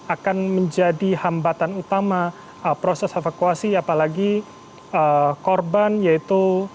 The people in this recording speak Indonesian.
akan menjadi hambatan utama proses evakuasi apalagi korban yaitu